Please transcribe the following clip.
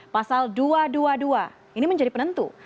pasal dua ratus dua puluh dua ini menjadi penentu